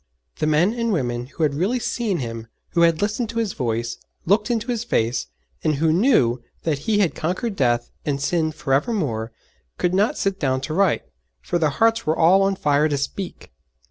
The men and women who had really seen Him, who had listened to His voice, looked into His face, and who knew that He had conquered death and sin for evermore, could not sit down to write, for their hearts were all on fire to speak.